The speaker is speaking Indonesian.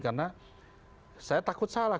karena saya takut salah